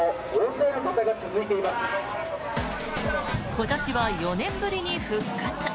今年は４年ぶりに復活。